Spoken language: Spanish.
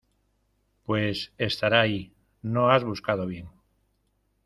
Pues estará ahí. No has buscado bien .